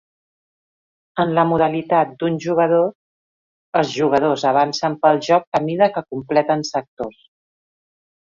En la modalitat d'un jugador, els jugadors avancen pel joc a mida que completen sectors.